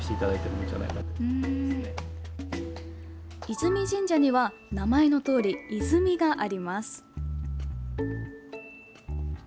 泉神社には名前のとおり、泉があります。